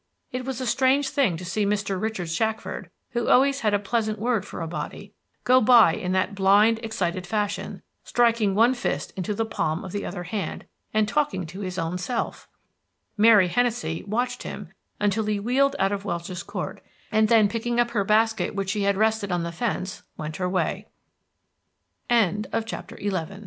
It was a strange thing to see Mr. Richard Shackford, who always had a pleasant word for a body, go by in that blind, excited fashion, striking one fist into the palm of the other hand, and talking to his own self! Mary Hennessey watched him until he wheeled out of Welch's Court, and then picking up her basket, which she had rested on the fence, went her way. XII At the main entrance to the marble works Richard nearly walke